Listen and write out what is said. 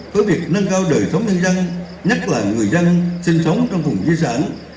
với việc nâng cao đời sống nhân dân nhất là người dân sinh sống trong vùng di sản